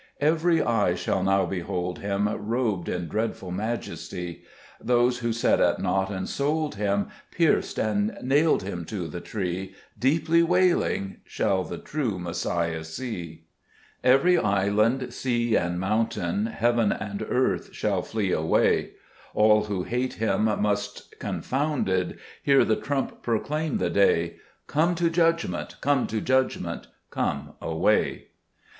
2 Every eye shall now behold Him, Robed in dreadful majesty ; Those who set at naught and sold Him, Pierced, and nailed Him to the Tree, Deeply wailing, Shall the true Messiah see. 30 Cbe JScet Cburcb tvimns. 3 Every island, sea, and mountain, Heaven and earth, shall flee away ; All who hate Him must, confounded, Hear the trump proclaim the day ; Come to judgment ! Come to judgment, come away